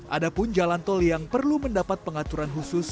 adapun jalan tol yang perlu mendapat pengaturan khusus